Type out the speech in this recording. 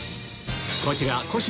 こちら小芝